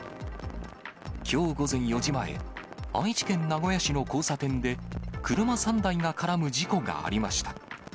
きょう午前４時前、愛知県名古屋市の交差点で、車３台が絡む事故がありました。